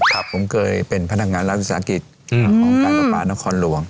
ผมเคยเป็นพนักงานราชภิกษาอังกฤษของการประปาดนครหลวง